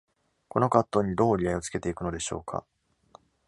この葛藤にどう折り合いをつけていくのでしょうか。